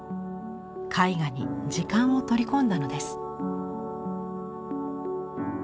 絵画に時間を取り込んだのです。